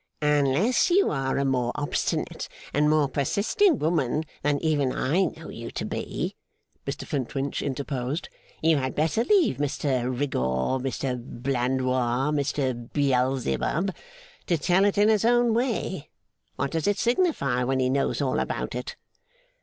'Unless you are a more obstinate and more persisting woman than even I know you to be,' Mr Flintwinch interposed, 'you had better leave Mr Rigaud, Mr Blandois, Mr Beelzebub, to tell it in his own way. What does it signify when he knows all about it?